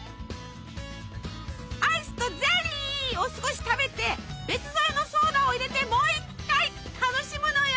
アイスとゼリーを少し食べて別添えのソーダを入れてもう一回楽しむのよ！